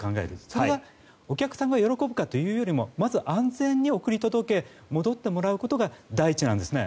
それがお客様が喜ぶかということよりもまず安全に送り届け戻ってもらうことが第一なんですね。